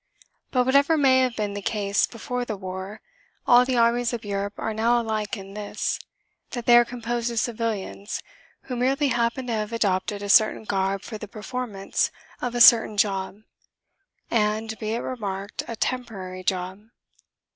But whatever may have been the case before the war, all the armies of Europe are now alike in this, that they are composed of civilians who merely happen to have adopted a certain garb for the performance of a certain job and, be it remarked, a temporary job.